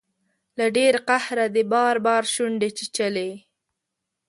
له ډیر قهره دې بار بار شونډې چیچلي